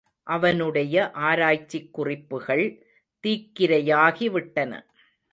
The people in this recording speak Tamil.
அவனுடைய ஆராய்ச்சிக் குறிப்புகள் தீக்கிரையாகி விட்டன.